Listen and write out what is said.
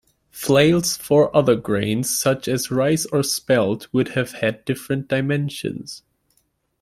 Flails for other grains, such as rice or spelt, would have had different dimensions.